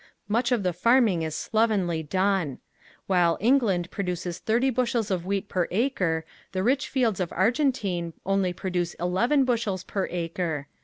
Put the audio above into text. Much of the farming is slovenly done. While England produces thirty bushels of wheat per acre the rich fields of Argentine only produce eleven bushels per acre.